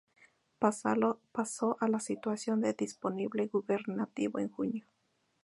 Pasó a la situación de disponible gubernativo en junio.